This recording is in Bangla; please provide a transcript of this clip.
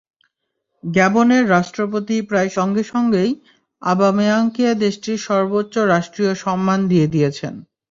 গ্যাবনের রাষ্ট্রপ্রতি প্রায় সঙ্গে সঙ্গেই অবামেয়াংকে দেশটির সর্বোচ্চ রাষ্ট্রীয় সম্মান দিয়ে দিয়েছেন।